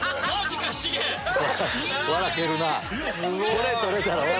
これ捕れたら笑